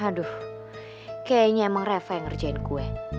aduh kayaknya emang reva yang ngerjain kue